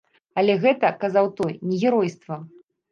Але гэта, казаў той, не геройства.